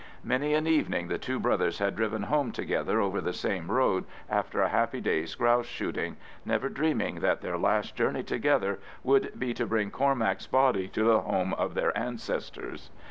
Many an evening the two brothers had driven home together over the same road after a happy day's grouse shooting, never dreaming that their last journey together would be to bring Cormac's body to the home of their ancestors.